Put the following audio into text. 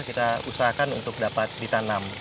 kita usahakan untuk dapat ditanam